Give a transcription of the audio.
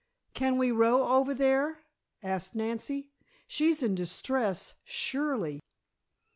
"Can we row over there?" asked Nancy. "She's in distress, surely."